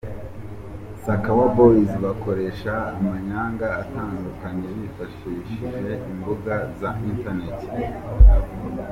Sakawa Boys bakoresha amanyanga atandukanye bifashishije imbuga za Internet.